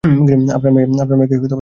আপনার মেয়েকে ধার্মিক মনে হচ্ছে।